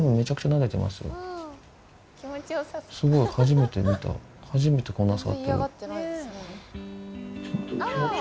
すごい初めて見た初めてこんな触ってる。